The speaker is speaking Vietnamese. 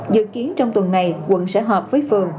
dự kiến trong tuần này quận sẽ họp với phường